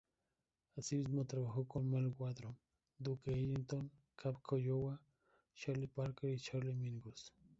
Asimismo trabajó con Mal Waldron, Duke Ellington, Cab Calloway, Charlie Parker y Charlie Mingus.